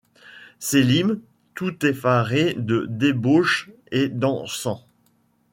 Sélim, tout effaré de débauche et d'encens